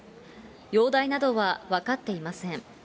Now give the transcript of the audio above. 容体などは分かっていません。